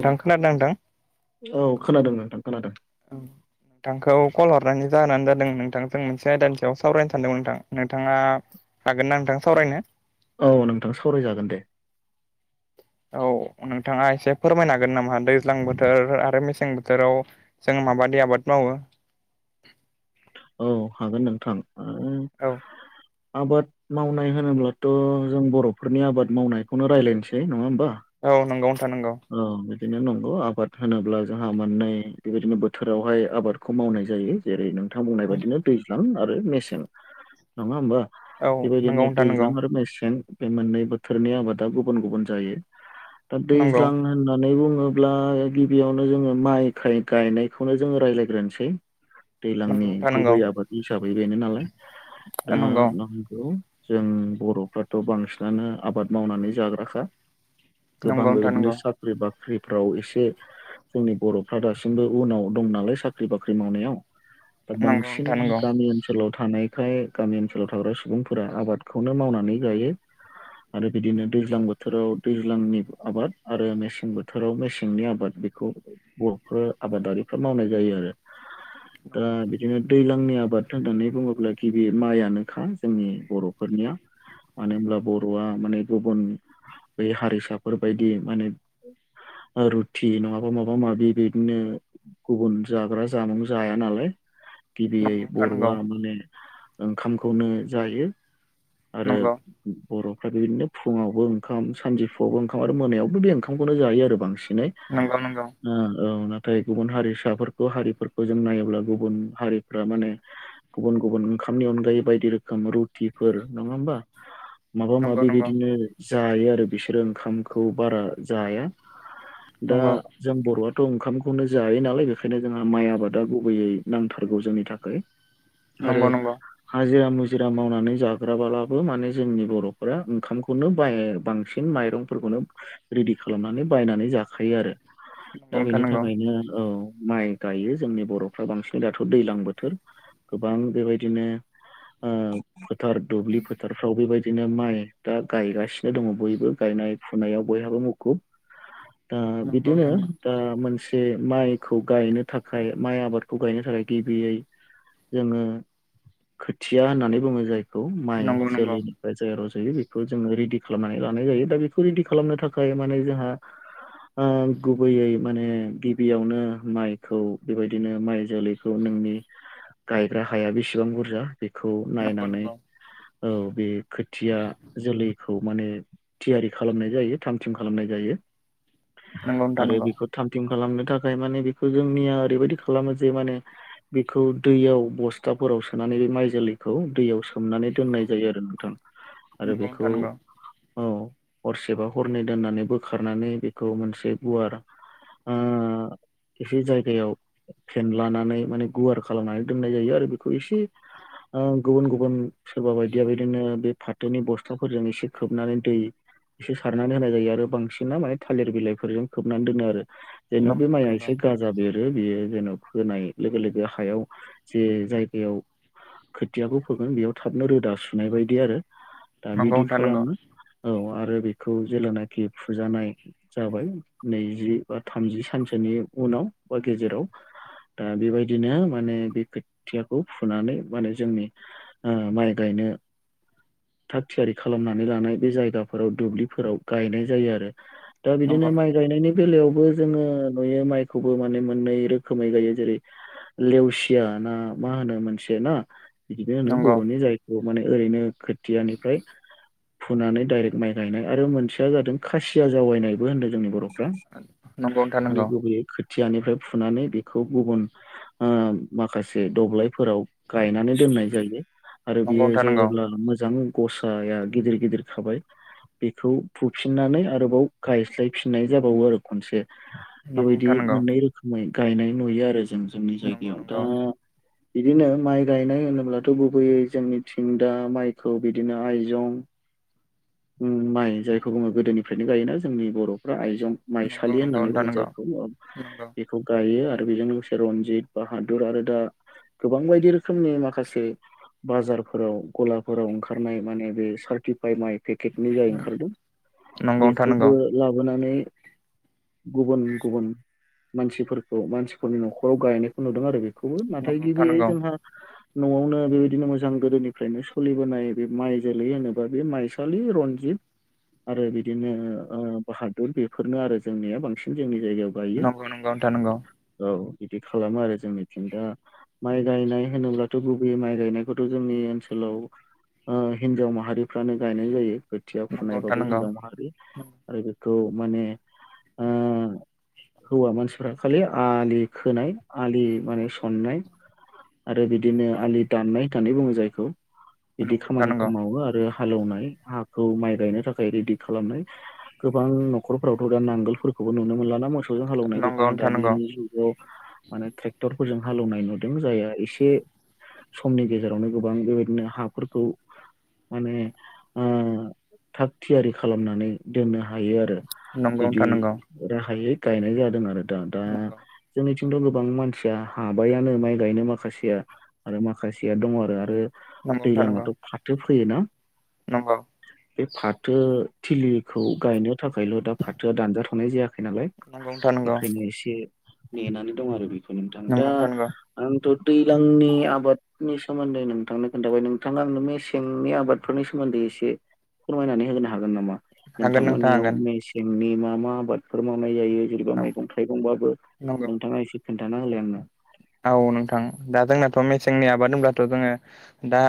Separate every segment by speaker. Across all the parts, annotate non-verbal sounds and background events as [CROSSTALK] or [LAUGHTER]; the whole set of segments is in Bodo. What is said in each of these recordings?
Speaker 1: थां खोनादों ना नोंथां?
Speaker 2: औ खोनादों नोंथां खोनादों।
Speaker 1: [INAUDIBLE] नोंथांखौ कल हरनानि जाहोनानो जादों नोंथांजों मोनसे आयदानि सायाव सावरायनो सानदोंमोन नोंथां नोंथाङा हागोन ना नोंथां सावरायनो?
Speaker 2: औ नोंथां सावरायजागोन दे।
Speaker 1: औ नोंथाङा एसे फोरमायनो हागोन नामा दैज्लां बोथोर आरो मेसें बोथोराव जों मा बादि आबाद मावो।
Speaker 2: औ हागोन नोंथां ओ
Speaker 1: औ
Speaker 2: आबाद मावनाय होनोब्लाथ' जों बर'फोरनि आबाद मावनायखौनो रायलायनोसै नङा होमबा?
Speaker 1: औ नंगौ। नंगौ
Speaker 2: औ दे। बिदिनो नंगौ आबाद होनोब्ला जोंहा मोननै बेबायदिनो बोथोरावहाय आबादखौ मावनाय जायो जेरै नों थां बुंनाय बायदिनो दैज्लां आरो मेसें नङा होमबा?
Speaker 1: औ नंगौ
Speaker 2: बेबायदिनो
Speaker 1: नोंथां नंगौ
Speaker 2: दैज्लां आरो मेसें बे मोननै बोथोरनि आबादा गुबुन गुबुन जायो। दा
Speaker 1: नंगौ।
Speaker 2: दैज्लां होननानै बुङोब्ला गिबियावनो जोङो माइ गायनायखौनो जोङो रायज्लायग्रोनोसै।
Speaker 1: नंगौ
Speaker 2: दैलांनि
Speaker 1: नोंथां नंगौ
Speaker 2: गुबै आबाद हिसाबै बेनो नालाय दा
Speaker 1: नंगौ
Speaker 2: नंगौ। जों बर'फ्राथ' बांसिनानो आबाद मावनानै जाग्राखा गोबां
Speaker 1: नंगौ नोंथां
Speaker 2: बेबायदिनो
Speaker 1: नंगौ।
Speaker 2: साख्रि बा ख्रिफ्राव एसे जोंनि बर'फ्रा दासिमबो उनाव दं नालाय साख्रि बाख्रि मावनायाव दा बांसिन गामि ओनसोलाव थानाय फ्राय गामि ओनसोलाव थाग्रा सुबुंफोरा आबादखौनो मावनानै गायो। आरो बिदिनो दैज्लां बोथोराव दैज्लांनि आबाद आरो मेसें बोथोराव मेसेंनि आबाद बेखौ बर'फोर आबादारिफ्रा मावनाय जायो आरो। दा बिदिनो दैलां लांनि आबाद होननानै बुङोब्ला गिबि माइयानोखा जोंनि बर'फोरनिया मानो होनब्ला बर'आ माने गुबुन बै हारिसाफोरबायदि माने रुथि नङाबा माबा माबि बिदिनो गुबुन जाग्रा जामुं जाया नालाय गिबियै बर'आ माने ओंखामखौनो जायो। आरो
Speaker 1: नंगौ
Speaker 2: बर'फ्रा बे बिदिनो फुङावबो ओंखाम सानजौफुआवबो ओंखाम आरो मोनायावबो बे ओंखामखौनो जायो आरो बांसिनै
Speaker 1: नोंथां नंगौ नंगौ नोंथां नंगौ
Speaker 2: औ नाथाय गुबुन हारिसाफोरखौ हारिफोरखौ जों नायोब्ला गुबुन हारिफ्रा माने गुबुन गुबुन ओं खामनि अनगायै बायदि रोखोम रुटिफोर नङा होमबा
Speaker 1: [INAUDIBLE]
Speaker 2: माबा
Speaker 1: नंगौ
Speaker 2: माबि बिदिनो जायो आरो बिसोरो ओंखामखौ बारा जाया दा जों बर'आ थ' ओंखामखौनो जायो नालाय बेखायनो जोंहा माइ आबादा गुबैयै नांथारगौ जोंनि थाखाय आरो
Speaker 1: नंगौ नंगौ
Speaker 2: हाजिरा मु- जिरा मावनानै जाग्राब्लाबो माने जोंनि बर'फोरा ओंखामखौनो बाह बांसिन माइरंफोरखौनो रेडि खालामनानै बायनानै जाखायो आरो दा
Speaker 1: नोंथां
Speaker 2: बेनि
Speaker 1: नंगौ नंगौ
Speaker 2: थाखायनो औ माइ गायो जोंनि बर'फ्रा बांसिन दाथ' दैजलां बोथोर गोबां बेबायदिनो आ फोथार दुब्लि फोथारफ्राव बेबायदिनो माइ दा गायगासिनो दङ बयबो गायनाय फु- नायाव बयहाबो मुखुब दा बिदिनो
Speaker 1: नोंथां नंगौ
Speaker 2: दा मोनसे जे माइखौ गायनो थाखाय माइ आबादखौ गायनो थाखाय गिबियै जोङो खोथिया होननानै बुङो जाय खौ माइ
Speaker 1: नंगौ नंगौ
Speaker 2: जोलैनिफ्राय जाय रज'यो बेखौ जोङो रेडि खालामनानै लानाय जायो दा बे खौ रेडि खालामनो थाखाय माने जोंहा ओ गुबैयै माने गिबियावनो माइखौ बेबायदिनो माइ जोलैखौनो जोंनि गायग्रा हाया बेसेबां बुरजा बेखौ
Speaker 1: नंगौ
Speaker 2: नायनानै
Speaker 1: नंगौ
Speaker 2: औ बे खोथिया जोलैखौ खौ माने थियारि खालामनाय जायो थाम थिम खालामनाय जायो
Speaker 1: नंगौ नोंथां
Speaker 2: आरो
Speaker 1: नंगौ
Speaker 2: बेखौ थामथि खालामनो थाखाय माने बेखौ जोंनिया ओरैबायदि खालामो जे माने बेखौ दैयाव बस्थाफोराव सोनानै बे माइ जोलैखौ दैयाव सोम सोमनानै दोननाय जायो आरो नोंथां आरो
Speaker 1: नंगौ
Speaker 2: बेखौ
Speaker 1: नोंथां
Speaker 2: औ हरसेबा हरनै दोननानै बोखारनानै बेखौ मोनसे गुवार एसे जायगायाव फेन लानानै माने गुवार खालामनानै दोननाय जायो आरो बेखौ एसे गुबुन गुबुन सोरबा बायदिया बिदिनो बे फाथोनि बस्थाफोरजों एसे खोबनानै दै बिसोर सारनानै होनाय जायो आरो बांसिनना माने थालिर बिलाइफोरजों खोबनानै दोनो आरो जेन'ब बे माइआ
Speaker 1: नंगौ
Speaker 2: एसे गाजा बेर बियो जेन' बा फोनाय लोगो लोगो हायाव जे जायगायाव खोथियाखौ फोगोन बेयाव थाबनो रोदा सुनाय बायदि आरो दा
Speaker 1: नंगौ
Speaker 2: बिदि
Speaker 1: नोंथां नंगौ
Speaker 2: खालामो औ आरो बेखौ जेलानाखि फुजानाय जाबाय नैजि बा थामजि सानसेनि उनाव हर गेजेराव दा बेबायदिनो माने बे खोथियाखौ फुनानै माने जोंनि माइ गायनाय थाग थियारि खालामनानै लानाय बे जायगााव दुब्लिफोराव गायनाय जायो आरो दा बिदिनो माइ गायनायनि बेलायावबो जोङो नुयो माइखौबो माने मोननै रोखोमै गायो जेरै लेवसिया ना मा होनो मोनसे ना बिदिनो होनो
Speaker 1: नंगौ
Speaker 2: बर'नि जायखौ माने ओरैनो खोथियानिफ्राय फुनानै दडाइरेक्ट माइ गायनाय आरो मोनसेया जादों खासिया जावायनायबो होनदों जोंनि बर'फ्रा
Speaker 1: नोंथां
Speaker 2: माने
Speaker 1: नंगौ
Speaker 2: गुबैयै खुथियानिफ्राय फुनानै बेखौ गुबुन माखासे दब्लायफोराव गायनानै दोननाय जायो आरो
Speaker 1: नंगौ
Speaker 2: बियो
Speaker 1: नंगौ
Speaker 2: जेब्ला
Speaker 1: नोंथां
Speaker 2: मोजां गसाया गिदिर गिदिर खाबाय बेखौ फुफिननानै आरोबाव गायस्लायफिननाय जाबावो आरो खनसे
Speaker 1: नंगौ
Speaker 2: बेबायदि मोननै रोखोमै गायनाय नुयो आरो जों जोंनि
Speaker 1: नंगौ
Speaker 2: जायगायाव दा बिदिनो माइ गायनाय होनोब्लाथ' गुबैयै जोंनिथिं दा माइखौ बिदिनो आइजं उम माइ जायखौ बुङो गोदोनिफ्रायनो गायोना जोंनि बर'फ्रा आइजं माइसालि होननानै
Speaker 1: नोंथां
Speaker 2: बुङो
Speaker 1: नंगौ
Speaker 2: जायखौ
Speaker 1: नंगौ
Speaker 2: बेखौ गायो आरो आरो बेजों लोगोसे रनजित बाहादुर आरो दा गोबां बायदि रोखोमनि माखासे बाजारफोराव गलाफोराव ओंखारनाय माने बे सार्टिफाइ माइ पेकेटनि जाय ओंखारदों
Speaker 1: नोंथां नंगौ
Speaker 2: बेखौबो लाबोनानै
Speaker 1: [INAUDIBLE]
Speaker 2: गुबुन गुबुन मानसिफोरखौ मानसिफोरनि न'खराव गायनायखौ नुदों आरो बे खौबो नाथाय
Speaker 1: नंगौ नंगौ नोंथां
Speaker 2: गिबियै
Speaker 1: नंगौ
Speaker 2: जोंहा न'आवनो बेबायदिनो मोजां गोदोनिफ्रायनो सोलिबोनाय बे माइ जोलै होनोबा बे माइ सालि रनजित आरो बिदिनो बाहादुर बेफोरनो आरो जोंनिया बांसिन जोंनि जायगायाव गायो
Speaker 1: नंगौ नंगौ नोंथां नंगौ
Speaker 2: औ बिदि खालामो आरो जोंनिथिं दा माइ गायनाय होनोब्लाथ' गुबैयै माइ गायनायखौथ' जोंनि ओनसोलाव हिनजाव माहारिफ्रानो गायनाय जायो खोथिया
Speaker 1: नंगौ
Speaker 2: फुनायबाबो हिनजाव माहारि आरो बे खौ माने हौवा मानसिफ्रा खालि आलि खोनाय आलि माने सननाय आरो बिदिनो आलि दाननाय बुङो जायखौ बिदि
Speaker 1: नोंथां
Speaker 2: खामानिखौ
Speaker 1: नंगौ
Speaker 2: मावो आरो हालेवनाय हाखौ माइ गायनो थाखाय रेडि खालामनाय गोबां न'खरफ्रावथ' दा नांगोलफोरखौबो नुनो मोनला ना मोसौ थौजों हालौवनाय बेखायनो दानि जुगाव माने ट्रेक्टर फोरजों हालेवनाय नुदों जायहा एसे समनि गेजेरावनो गोबां बेबायदिनो हाफोरखौ माने ओ थाग थियारि खालामनानै दोननो हा- हायो आरो
Speaker 1: नंगौ नंगौ
Speaker 2: बिदि
Speaker 1: नोंथां नंगौ
Speaker 2: राहायै गायनाय जादों आरो दा दा
Speaker 1: नंगौ
Speaker 2: जोंनि- थिंथ' गोबां मानसिया हाबायानो माइ गायनो माखासेया आरो माखासेया दङ आरो आरो
Speaker 1: नोंथां नंगौ नोंथां नंगौ
Speaker 2: दैलांङावथ' फाथो फोयोना
Speaker 1: नंगौ
Speaker 2: बे फाथो थिलिखौ गायनो थाखायल' दा फाथोआ दानजा- थनाय जायाखै नालाय
Speaker 1: नोंथां नंगौ नोंथां नंगौ नोंथां नंगौ
Speaker 2: बेखायनो एसे नेनानै दं आरो बि- नोंथां दा
Speaker 1: नंगौ नंगौ नोंथां नंगौ
Speaker 2: आंथ' दैलांनि आबादनि सोमोन्दै नोंथांनो खोन्थाबाय नोंथाङा आंनो मेसेंनि आबाद फोरनि सोमोन्दै एसे फोरमायनानै होनो हागोन नामा
Speaker 1: हागोन नोंथां
Speaker 2: नोंथांमोननियाव
Speaker 1: हागोन
Speaker 2: मसें- नि मा मा आबादफोर मावनाय जायो जेनेबा मैगं थाइगंबाबो
Speaker 1: नंगौ
Speaker 2: नोंथाङा एसे खोन्थाना होलाय आंनो
Speaker 1: औ नोंथां दा जोंनाथ' मेसेंनि आबाद होनब्लाथ' जोङो दा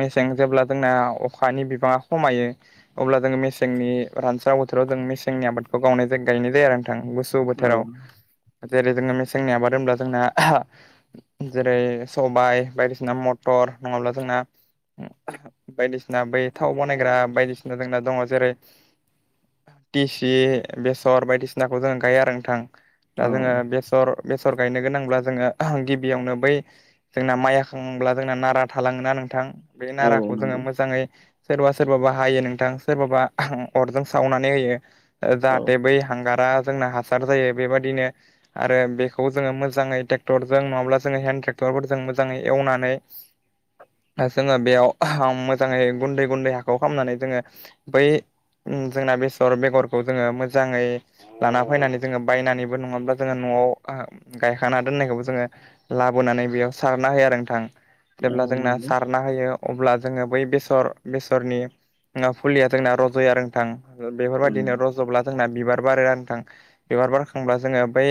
Speaker 1: मेसें जेब्ला जों जोंना अखानि बिबाङा खमायो अब्ला जोंङो मेसेंनि रानस्राव बोथोराव जों मेसेंनि आबादखौ गावनाय जाय गायनाय जायो आरो नोंथां गुसु
Speaker 2: औ
Speaker 1: बोथोराव जेरै जोङो मेसेंनि आबाद होनब्ला जोंना जेरै सबाइ बायदिसिना मथर नङाब्ला जोंना बायदिसिना बै थाव बनायग्रा बायदिसिना जोंना दङ जेरै टिसि बेसर बायदिसिनाखौ जों गायो आरो नोंथां। दा
Speaker 2: औ
Speaker 1: जोङो बेसर बेसर गायनो गोनांब्ला जोङो गिबियावनो बै जोंना माइ हाखांब्ला जोंना नारा थालाङोना नोंथां बे
Speaker 2: औ
Speaker 1: नाराखौ जोङो
Speaker 2: नंगौ
Speaker 1: मोजाङै सोरबा सोरबाबा हायो नोंथां सोरबाबा अरजों सावनानै होयो ओ
Speaker 2: औ
Speaker 1: जाहाथे बै हांगार रा जोंना हासार जायो बेबादिनो आरो बेखौ जोङो मोजाङै टेक क्टरजों नङाब्ला जोङो हेन्द ट्रेक्टरफोरजों मोजाङै एवनानै जोङो बेयाव मोजाङै गुन्दै गुन्दै हाखौ खामनानै जोङो बै उम जोंना बेसर बेगरखौ जोङो मोजाङै लाना फायनानै जोङो बायनानैबो नङाब्ला जोङो न'आव गायखाना दोननायखौबो जोङो लाबोनानै बेयाव सारना होयो आरो नोंथां। जेब्ला
Speaker 2: औ
Speaker 1: जोंना
Speaker 2: नंगौ
Speaker 1: सारना होयो अब्ला जोङो बै बेसर बेसरनि फुलिया जोंना रज'यो आरो नोंथां।
Speaker 2: उम
Speaker 1: बेफोरबायदिनो र'जब्ला जोंना बिबार बारो आरो नोंथां बिबार बारखांब्ला जोङो बै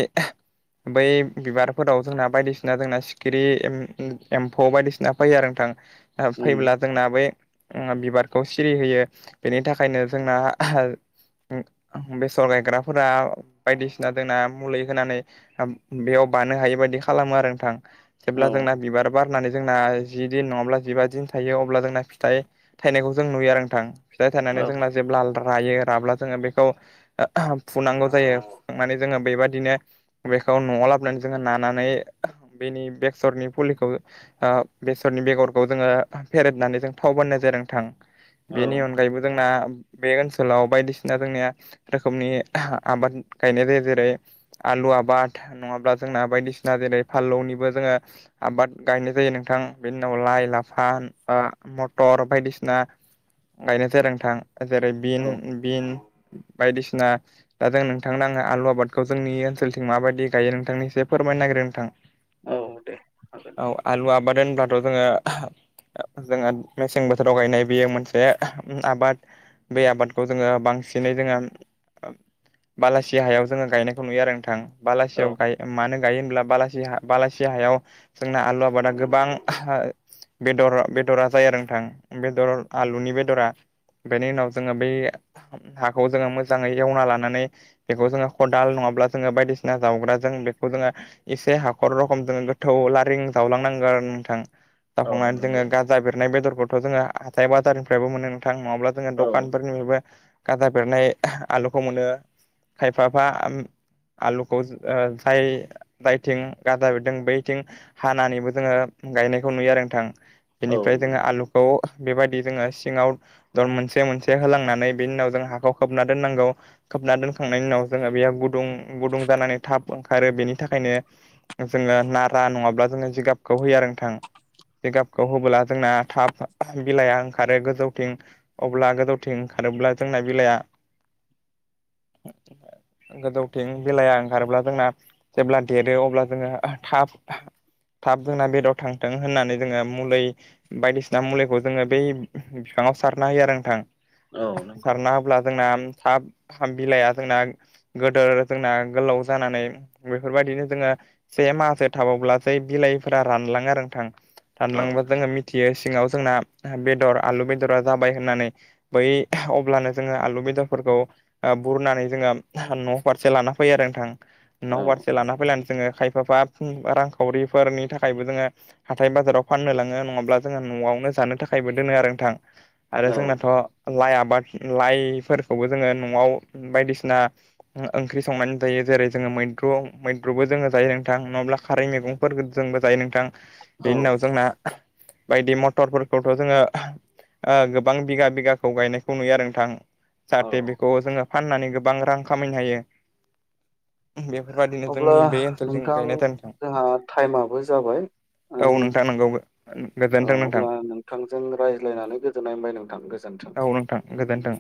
Speaker 1: बै बिबार फोराव जोंना बायदिसिना जोंना सिखिरि एम्फौ बायदिसिना फायो आरो नोंथां। फैब्ला
Speaker 2: उम
Speaker 1: जोंना बे ओ बिबार खौ सिरिहोयो बेनि थाखायनो जोंना बेसर गायग्राफोरा बायदिसिना जोंना मुलि होनानै ओ बेयाव बानो हायैबादि खालामो आरो नोंथां
Speaker 2: औ
Speaker 1: जेब्ला जोंना बिबार बारनानै जोंना जिदिन नङाब्ला जिबा दिन थायो अब्ला जोंना फिथाइ थाइनायखौ जों नुयो आरो नोंथां। फिथाइ थायनानै
Speaker 2: औ
Speaker 1: जोंना जेब्ला रायो राब्ला जोङो बेखौ फुनांगौ जायो फुखांनानै जोङो बेबादिनो बेखौ न'आव लाब नानै जोङो नानानै बेनि बेसरनि फुलिखौ ओ बेसरनि बेगरखौ जोङो फेरेदनानै जों थाव बाननाय जायो आरो नोंथां
Speaker 2: औ
Speaker 1: बेनि अनगायैबो जोंना बे ओनसोलाव बायदिसिना जोंनिया रोखोमनि आबाद गायनाय जायो। जेरै आ लु आबाद नङाब्ला जोंना बायदिसिना जेरै फाललौनिबो जोङो आबाद गायनाय जायो नोंथां। बेनि उनाव लाइ लाफा ओ मटर बायदिसिना गायनाय जायो आरो नोंथां। जेरै बिन
Speaker 2: औ
Speaker 1: बिन बायदिसिना दा जों नोंथांनो आङो आलु आबादखौ जोंनि ओनसोलथिं माबादि गायो नोंथांनो एसे फोरमायनो नागिरो नोंथां
Speaker 2: औ दे हागोन
Speaker 1: औ
Speaker 2: दे
Speaker 1: आलु आबाद होनब्लाथ' जोङो जोंहा मेसें बोथोराव गायनाय बेयो मोनसे आबाद। बे आबादखौ जोङो बांसिनै जोङो बालासि हायाव जोङो गायनायखौ नुयो आरो नोंथां
Speaker 2: औ
Speaker 1: बालासियाव गाय मानो गायो होनब्ला ब बलासि हायाव जोंना आलु आबादा गोबां बेदर बेदरा जायो आरो नोंथां बेदर आलुनि बेदरा बेनि उनाव जोङो बै हाखौ जोङो मोजाङै एवना लानानै बेखौ जोङो खदाल नङा अब्ला जोङो बायदिसिना जावग्रा जों बे खौ जोङो एसे हाखर रखम जोङो गोथौ लारिं जावलांनांगोन नोंथां।
Speaker 2: औ
Speaker 1: जाखांनानै जोङो
Speaker 2: नंगौ
Speaker 1: गाजा बेरनाय बेदरखौथ' जोङो हाथाय बाजारनिफ्रायबो मोनो नोंथां। नङाब्ला जोङो
Speaker 2: औ
Speaker 1: दखानफोरनिफ्रायबो गाजा बेरनाय आलुखौ मोनो खायफाफा आलुखौ आइ आइथिं गादा बिरदों बैथिं हानानैबो जोङो गायनायखौ नुयो आरो नोंथां।
Speaker 2: औ
Speaker 1: बेनिफ्राय जोङो
Speaker 2: नंगौ
Speaker 1: आलुखौ बेबायदि जोङो सिङाव दर मोनसे मोनसे होलांनानै बेनि उनाव जों हाखौ खोबना दोननांगौ। खोबना दोनखांनायनि उनाव जोङो बेयाव गुदुं गुदुं जानानै थाब ओंखारो बेनि थाखायनो जोङो नारा नङाब्ला जोङो जिगाबखौ होयो आरो नोंथां। जिगाबखौ होबोला जोंना थाब बिलाइआ ओंखारो गोजौथिं अब्ला गोजौथिं खारोब्ला जोंना बिलाया गोजौथिं बेलाया ओंखारोब्ला जोंना जेब्ला देरो अब्ला जोङो थाब थाब जोंना बेदर थांथों होननानै जोङो मुलि बायदिसिना मुलिखौ जोङो बै बिफा ङाव सारना होयो आरो नोंथां
Speaker 2: औ नंगौ
Speaker 1: सारना होब्ला जोंना थाब बिलाया जोंना गोदोर जोंना गोलाव जानानै बेफोरबायदिनो जोङो से माहासे थाबावब्ला जै बिलाइफोरा रानलाङो आरो नोंथां।
Speaker 2: औ
Speaker 1: रानलांबा जोङो मिथियो सिङाव। जोंना बेदर आलु बेदरा जाबाय होननानै बै अब्लानो जोङो आलु बेदरफोरखौ बुरनानै जोङो न' फारसे लाना फैयो आरो नोंथां।
Speaker 2: औ
Speaker 1: न' फारसे लाना फैनानै जोङो खायफाफा रांखावरिफोरनि थाखायबो जोङो हाथाय बाजाराव फाननो लाङो नङाब्ला जोङो न'आवनो जानो थाखाय फिथाइबो दोनो आरो नोंथां आरो
Speaker 2: औ
Speaker 1: जोंनाथ' लाइ आबाद लाइफोरखौबो जोङो न'आव बायदिसिना ओंख्रि संनानै जायो जेरै जोङो मैद्रु मैद्रुबो जोङो जायो नोंथां नङाब्ला खारै मैगंफोर जोंबो जायो नोंथां।
Speaker 2: औ
Speaker 1: बेनि उनाव जोंना बायदि मटरफोरखौथ' जोङो गोबां बिगा बिगाखौ गायनायखौ नुयो आरो नोंथां।
Speaker 2: औ
Speaker 1: जाहाथे बेखौ जोङो फाननानै गोबां रां खामायनो हायो। बेफोरबादिनो
Speaker 2: अब्ला
Speaker 1: जोंनि बे ओनसोलजों
Speaker 2: नोंथां
Speaker 1: गायनाय जानो थां
Speaker 2: जोंहा टाइमाबो जाबाय ओ
Speaker 1: औ नोंथां नंगौ
Speaker 2: औ
Speaker 1: गोजोनथों नोंथां।
Speaker 2: अब्ला नोंथांजों रायज्लायनानै गोजोननाय मोनबाय नोंथां गोजोन्थों।
Speaker 1: औ नोंथां गोजोनथों।